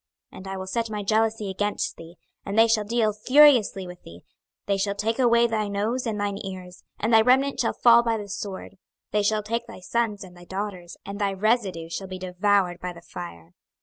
26:023:025 And I will set my jealousy against thee, and they shall deal furiously with thee: they shall take away thy nose and thine ears; and thy remnant shall fall by the sword: they shall take thy sons and thy daughters; and thy residue shall be devoured by the fire.